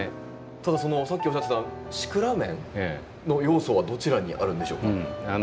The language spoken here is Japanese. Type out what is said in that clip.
たださっきおっしゃってたシクラメンの要素はどちらにあるんでしょうか？